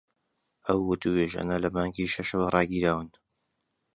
ئەو وتووێژانە لە مانگی شەشەوە ڕاگیراون